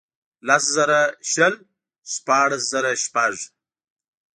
لس زره شل ، شپاړس زره شپږ.